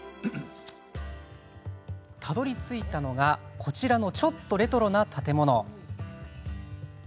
たどりついたのがこちらのちょっとレトロな建物。